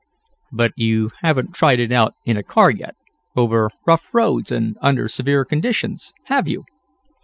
"But you haven't tried it out in a car yet, over rough roads, and under severe conditions have you?"